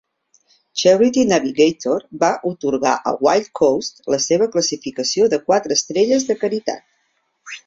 Charity Navigator va atorgar a Wildcoast la seva classificació de quatre estrelles de caritat.